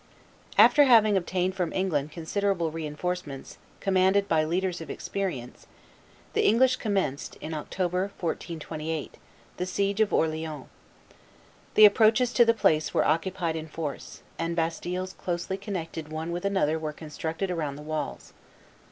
After having obtained from England considerable re enforcements commanded by leaders of experience, the English commenced, in October, 1428, the siege of Orleans. The approaches to the place were occupied in force, and bastilles closely connected one with another were constructed around the walls.